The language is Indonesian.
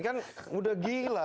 kan udah gila